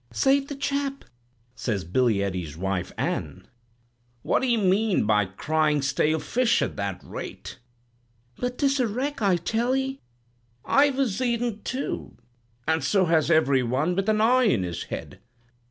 "'Save the chap!' says Billy Ede's wife, Ann. "'What d'ee mean by crying stale fish at that rate?' "'But 'tis a wreck, I tell 'ee.' "'Ive a zeed 'n, too; and so has every one with an eye in his head.'